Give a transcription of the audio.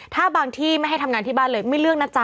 ถ้าบางที่ไม่ให้ทำงานที่บ้านเลยไม่เลือกนะจ๊